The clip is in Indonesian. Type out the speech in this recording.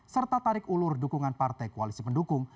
serta tarik ulur dukungan partai koalisi pendukung